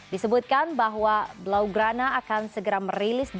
disebutkan bahwa blaugrana akan segera merilis data